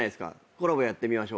コラボやってみましょうかって。